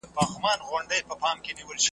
په سبا اعتبار نسته که هرڅو ښکاریږي ښکلی .